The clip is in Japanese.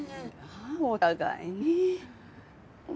お互いに。